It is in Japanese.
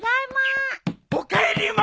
おかえりまる子！